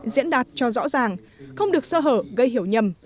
diễn đạt cho rõ ràng không được sơ hở gây hiểu nhầm